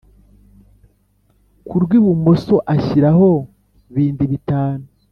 ku rw’ibumoso ashyiraho bindi bitanu